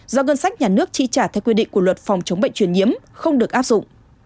do ngân sách nhà nước chi trả theo quy định của luật phòng chống bệnh truyền nhiễm không được áp dụng